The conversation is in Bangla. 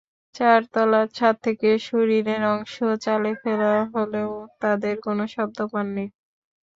চারতলার ছাদ থেকে শরীরের অংশ চালে ফেলা হলেও তাঁরা কোনো শব্দ পাননি।